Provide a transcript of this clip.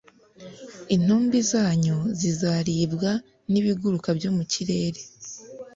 Intumbi zanyu zizaribwa n’ibiguruka byo mu kirere